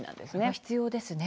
必要ですね。